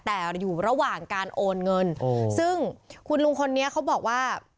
แต่อยู่ระหว่างการโอนเงินซึ่งคุณลุงคนนี้เขาบอกว่า